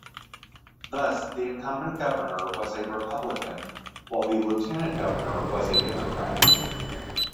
Thus the incumbent governor was a Republican while the lieutenant governor was a Democrat.